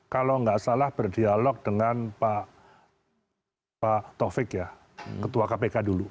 kalau nggak salah berdialog dengan pak taufik ya ketua kpk dulu